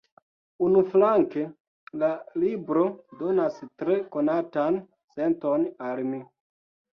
Unuflanke, la libro donas tre konatan senton al mi.